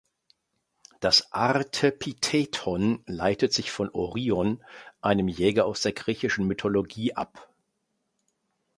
Das Artepitheton leitet sich von Orion, einem Jäger aus der griechischen Mythologie ab.